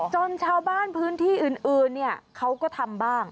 ชาวบ้านพื้นที่อื่นเขาก็ทำบ้าง